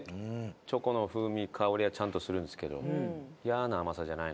チョコの風味香りはちゃんとするんですけど嫌な甘さじゃない。